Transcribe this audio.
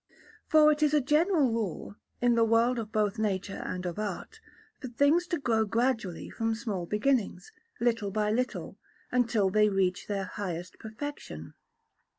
For it is a general rule, in the world both of nature and of art, for things to grow gradually from small beginnings, little by little, until they reach their highest perfection.